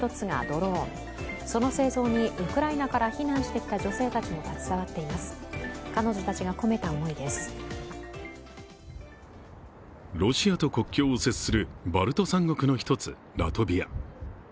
ロシアと国境を接するバルト三国の１つ、ラトビア。